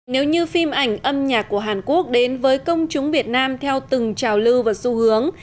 nếu như phim ảnh âm nhạc của hàn quốc đến với công chúng việt nam theo từng trào lưu và xu hướng